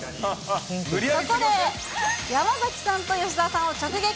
そこで、山崎さんと吉沢さんを直撃。